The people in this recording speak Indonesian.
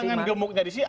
jangan gemuknya disini